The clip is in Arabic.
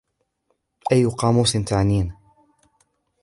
أي قاموس تعنيه؟